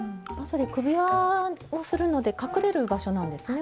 首輪をするので隠れる場所なんですね。